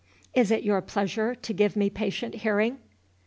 Is it your pleasure to give me patient hearing?"